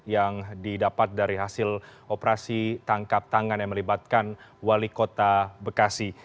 yang didapat dari hasil operasi tangkap tangan yang melibatkan wali kota bekasi